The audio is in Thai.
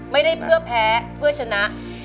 ไม่ได้เพื่อแพ้เพื่อชนะ